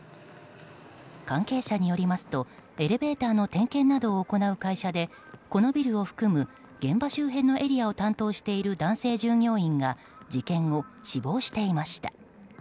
関係者によりますとエレベーターの点検などを行う会社でこのビルを含む現場周辺のエリアを担当している男性従業員が事件後、死亡していました。